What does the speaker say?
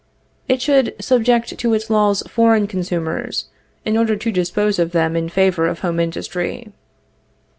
"It should subject to its laws foreign consumers, in order to dispose of them in favor of home industry."